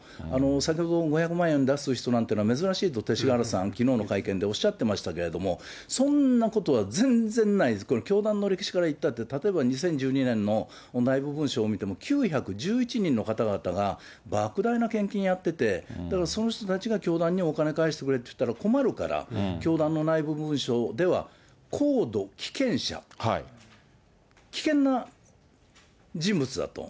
先ほども５００万円出す人は珍しいと、勅使河原さん、きのうの会見でおっしゃってましたけれども、そんなことは全然ないです、これ、教団の歴史からいったって、例えば２０１２年の内部文書を見ても、９１１人の方々が、ばく大な献金やってて、だからその人たちが教団にお金返してくれって言ったら困るから、教団の内部文書では、高度危険者、危険な人物だと。